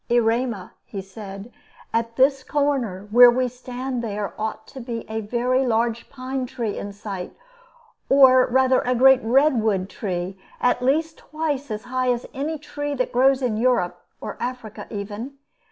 "Erema," he said, "at this corner where we stand there ought to be a very large pine tree in sight, or rather a great redwood tree, at least twice as high as any tree that grows in Europe, or Africa even.